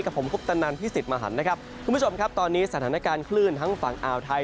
กับผมคุณผู้ชมครับตอนนี้สถานการณ์คลื่นทั้งฝั่งอ่าวไทย